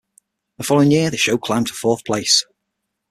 The following year, the show climbed to fourth place.